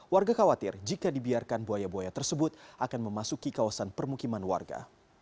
warga khawatir jika dibiarkan buaya buaya tersebut akan memasuki kawasan permukiman warga